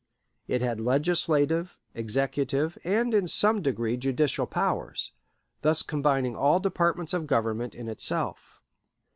It had legislative, executive, and in some degree judicial powers, thus combining all departments of government in itself.